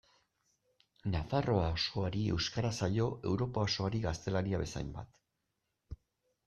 Nafarroa osoari euskara zaio Europa osoari gaztelania bezainbat.